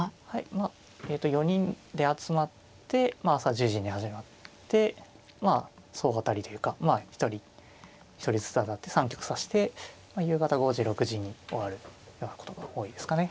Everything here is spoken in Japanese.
まあえっと４人で集まって朝１０時に始まって総当たりというかまあ一人一人ずつ当たって３局指して夕方５時６時に終わるようなことが多いですかね。